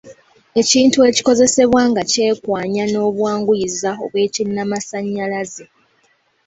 Ekintu ekikozesebwa nga kyekwanya n’obwanguyiza obw’ekinnamasannyalaze.